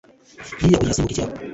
yiyahuye asimbuka ikiraro.